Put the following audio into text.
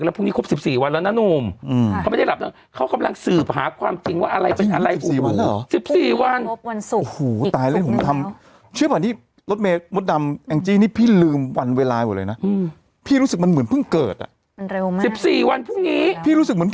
เรียกว่าพรุ่งนี้ครบ๑๔วันแล้วนะหนุ่ม